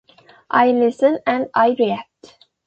I listen and I react.